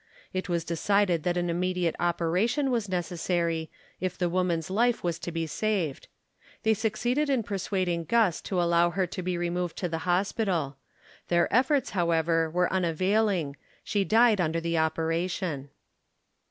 It was decided that an immediate operation was neces sary, if the woman's life was to be saved. They sue FACTS ABOUT THE KALLIKAK FAMILY 93 ceeded in persuading Guss to allow her to be removed to the hospital. Their efforts, however, were unavail ing ; she died under the operation.